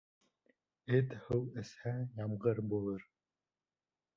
Эт һыу эсһә, ямғыр булыр.